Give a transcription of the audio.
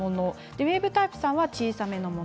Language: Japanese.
ウエーブタイプさんのものは小さめのもの。